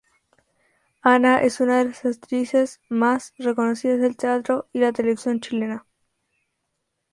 Ana es una de las actrices más reconocidas del teatro y la televisión chilena.